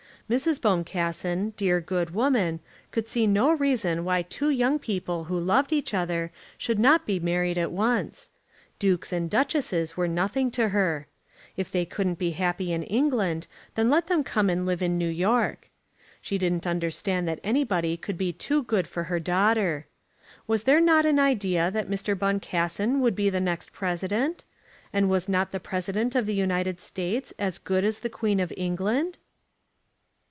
Mrs. Boncassen, dear good woman, could see no reason why two young people who loved each other should not be married at once. Dukes and duchesses were nothing to her. If they couldn't be happy in England, then let them come and live in New York. She didn't understand that anybody could be too good for her daughter. Was there not an idea that Mr. Boncassen would be the next President? And was not the President of the United States as good as the Queen of England?